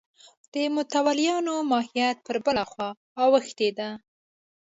د متولیانو ماهیت پر بله خوا اوښتی دی.